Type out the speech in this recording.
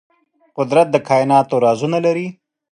قدرت د کائناتو رازونه لري.